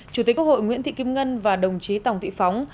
chủ tịch quốc hội nguyễn thị kim ngân và đồng chí tòng thị phóng